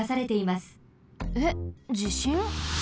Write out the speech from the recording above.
えっじしん？